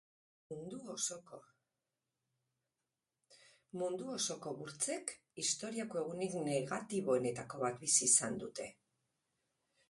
Mundu osoko burtsek historiako egunik negatiboenetako bat bizi izan dute.